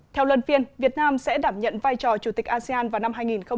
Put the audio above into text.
theo luân phiên việt nam sẽ đảm nhận vai trò chủ tịch asean vào năm hai nghìn hai mươi